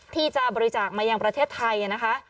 ที่จะบริจาคมายังประเทศไทยนะคะ